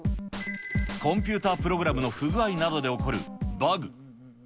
コンピュータープログラムの不具合などで起こるバグ。